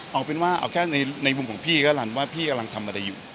เอาเป็นว่าเอาแค่ในมุมของพี่ก็ลันว่าพี่กำลังทำอะไรอยู่